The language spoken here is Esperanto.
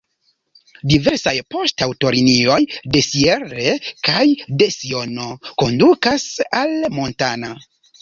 Diversaj poŝtaŭtolinioj de Sierre kaj de Siono kondukas al Montana.